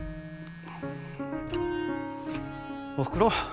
おふくろ？